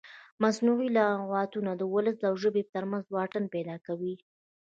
مصنوعي لغتونه د ولس او ژبې ترمنځ واټن پیدا کوي.